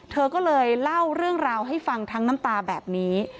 เธอก็เลยเล่าเรื่องราวให้ฟังทั้งน้ำตาแบบนี้